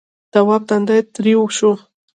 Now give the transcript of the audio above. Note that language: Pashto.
تواب تندی تريو شو.